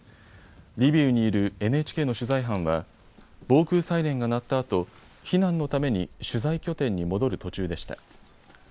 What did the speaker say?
リビウにいるＮＨＫの取材班は防空サイレンが鳴ったあと避難のために取材拠点に戻る途中でした。